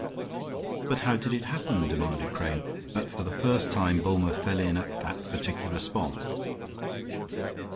"But how did it happen," demanded Crane, "that for the first time Bulmer fell in at that particular spot?"